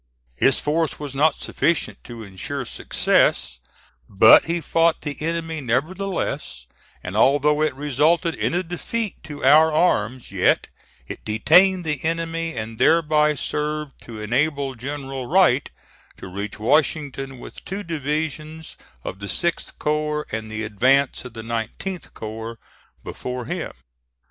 His force was not sufficient to insure success, but he fought the enemy nevertheless, and although it resulted in a defeat to our arms, yet it detained the enemy, and thereby served to enable General Wright to reach Washington with two division of the 6th corps, and the advance of the 19th corps, before him.